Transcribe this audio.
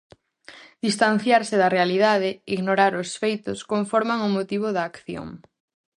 Distanciarse da realidade, ignorar os feitos, conforman o motivo da acción.